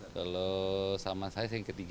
kalau sama saya yang ketiga ini